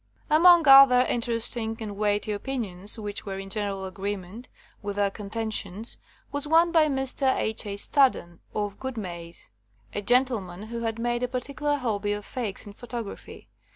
Among other interesting and weighty opinions, which were in general agreement with our contentions, was one by Mr. H. A. Staddon of Goodmayes, a gentleman who had made a particular hobby of fakes in pho tography.